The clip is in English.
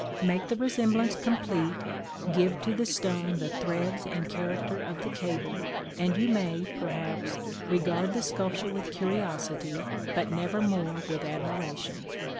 Make the resemblance complete, give to the stone the threads and character of the cable, and you may, perhaps, regard the sculpture with curiosity, but never more with admiration.